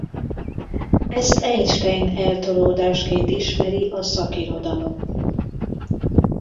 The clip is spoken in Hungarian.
Ezt Einstein-eltolódásként ismeri a szakirodalom.